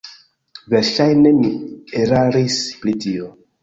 Verŝajne mi eraris pri tio.